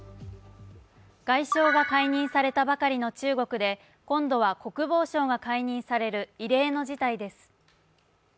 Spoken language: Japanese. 外相が解任されたばかりの中国で今度は国防相が解任される異例の事態です。